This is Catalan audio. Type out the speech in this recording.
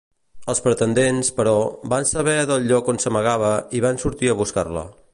Els pretendents, però, van saber del lloc on s'amagava i van sortir a buscar-la.